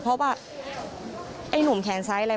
เพราะว่าไอ้หนุ่มแขนซ้ายอะไร